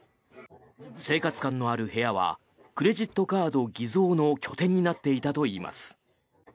生活感のある部屋はクレジットカード偽造の拠点になっていたといいます。